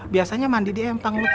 biasanya mandi di empang